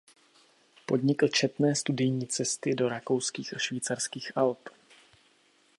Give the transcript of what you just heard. Podnikl četné studijní cesty do rakouských a švýcarských Alp.